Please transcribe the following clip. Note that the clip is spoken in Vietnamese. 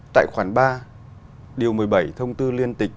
tại khoản ba điều một mươi bảy thông tư liên tịch số một mươi ba